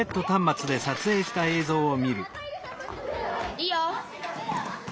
いいよ！